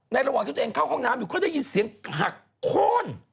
ระหว่างที่ตัวเองเข้าห้องน้ำอยู่เขาได้ยินเสียงหักโค้น